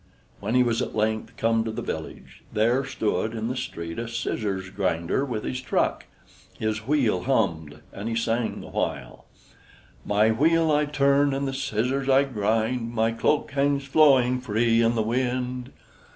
When he was at length come to the village, there stood in the street a scissors grinder with his truck. His wheel hummed, and he sang the while: "My wheel I turn, and the scissors I grind, And my cloak hangs flowing free in the wind."